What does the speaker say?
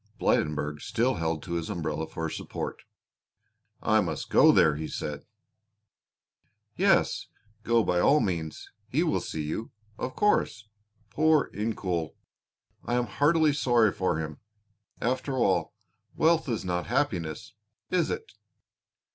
Blydenburg still held to his umbrella for support. "I must go there," he said. "Yes, go by all means; he will see you, of course. Poor Incoul! I am heartily sorry for him. After all, wealth is not happiness, is it?"